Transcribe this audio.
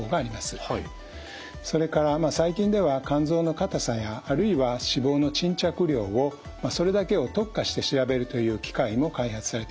それから最近では肝臓の硬さやあるいは脂肪の沈着量をそれだけを特化して調べるという機械も開発されています。